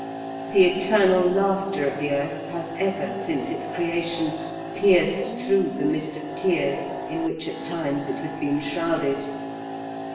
The eternal laughter of the earth has ever since its creation pierced through the mist of tears in which at times it has been shrouded.